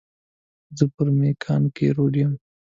زه پر مېکانګي روډ یم.